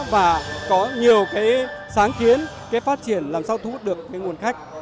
và có nhiều sáng kiến phát triển làm sao thu hút được nguồn khách